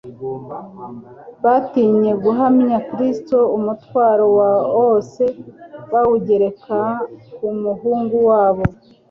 Batinye guhamya Kristo, umutwaro wose bawugereka ku muhung wabo.